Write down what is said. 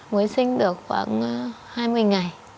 mới sinh được khoảng hai mươi ngày